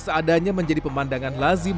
seadanya menjadi pemandangan lazim